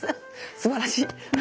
すばらしい。